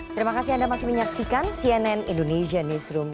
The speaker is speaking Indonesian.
terima kasih anda masih menyaksikan cnn indonesia newsroom